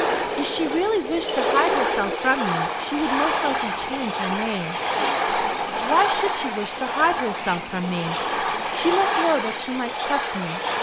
"If she really wished to hide herself from you, she would most likely change her name." "Why should she wish to hide herself from me? She must know that she might trust me.